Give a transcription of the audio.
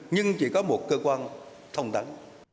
nhưng chỉ có một cơ quan thông tấn